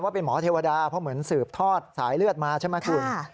เป็นหมอเทวดาเพราะเหมือนสืบทอดสายเลือดมาใช่ไหมคุณ